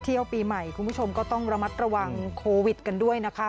เที่ยวปีใหม่คุณผู้ชมก็ต้องระมัดระวังโควิดกันด้วยนะคะ